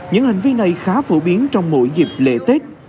những hành vi này khá phổ biến trong mỗi dịp lễ tết